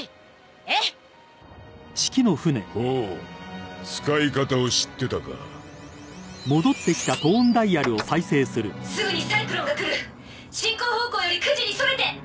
ええほう使い方を知ってたかすぐにサイクロンが来る進行方向より９時に逸れて！